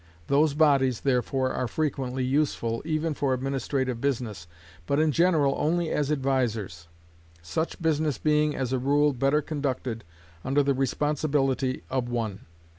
Those bodies, therefore, are frequently useful, even for administrative business, but in general only as advisers; such business being, as a rule, better conducted under the responsibility of one.